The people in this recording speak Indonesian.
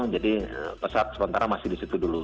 jadi pesawat sementara masih di situ dulu